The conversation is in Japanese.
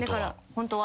ホントは。